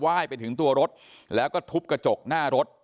ยไปถึงตัวรถแล้วก็ทุบกระจกหน้ารถ